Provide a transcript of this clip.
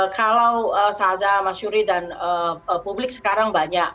kalau saza mas yuri dan publik sekarang banyak